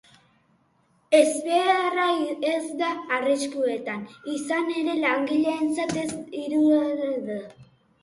Ezbeharra ez da arriskutsua izan ez langileentzat, ez hiritarrentzat ezta ingurugiroarentzat ere.